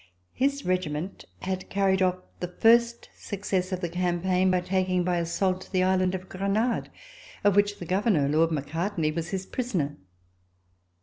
His regiment had carried off the first success of the cam paign by taking by assault the island of Grenade of which the Governor, Lord Macartney, was his prisoner.